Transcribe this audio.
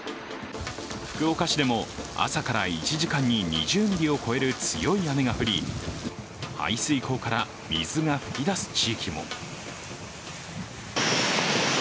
福岡市でも朝から１時間に２０ミリを超える強い雨が降り排水溝から水が噴き出す地域も。